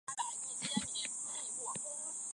花琦如主持设计。